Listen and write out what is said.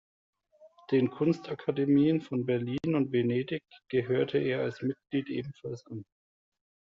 Den Kunstakademien von Berlin und Venedig gehörte er als Mitglied ebenfalls an.